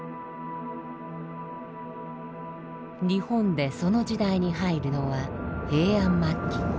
日本でその時代に入るのは平安末期。